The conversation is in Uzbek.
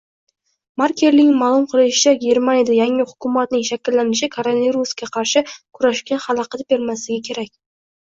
Merkelning ma’lum qilishicha, Germaniyada yangi hukumatning shakllanishi koronavirusga qarshi kurashga xalaqit bermasligi kerak